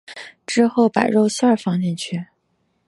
之后把肉馅放进去。